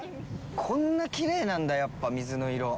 こんなきれいなんだ、やっぱ水の色。